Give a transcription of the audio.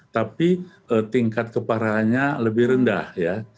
tapi tingkat keparahannya lebih rendah ya